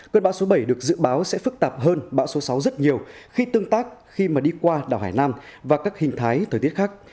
cơn bão số bảy được dự báo sẽ phức tạp hơn bão số sáu rất nhiều khi tương tác khi mà đi qua đảo hải nam và các hình thái thời tiết khác